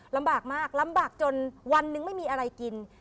ลำบากมากลำบากจนวันนึงไม่มีอะไรกิน